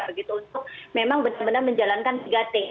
begitu untuk memang benar benar menjalankan segate